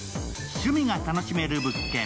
趣味が楽しめる物件。